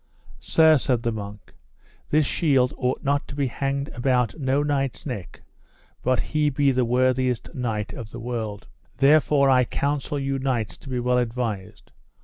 Sir, said the monk, this shield ought not to be hanged about no knight's neck but he be the worthiest knight of the world; therefore I counsel you knights to be well advised.